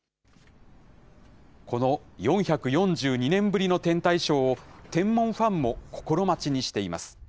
この４４２年ぶりの天体ショーを、天文ファンも心待ちにしています。